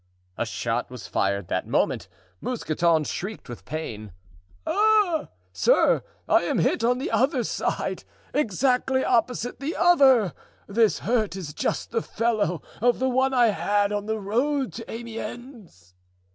A shot was fired that moment; Mousqueton shrieked with pain. "Ah, sir! I'm hit in the other side! exactly opposite the other! This hurt is just the fellow of the one I had on the road to Amiens."